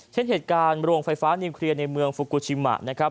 เช่นเหตุการณ์โรงไฟฟ้านิวเคลียร์ในเมืองฟูกูชิมะนะครับ